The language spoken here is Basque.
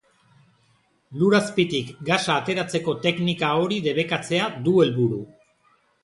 Lur azpitik gasa ateratzeko teknika hori debekatzea du helburu.